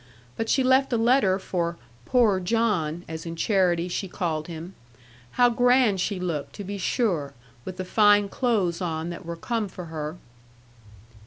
But she left a letter for "poor John," as in charity she called him. How grand she looked, to be sure, with the fine clothes on that were come for her!'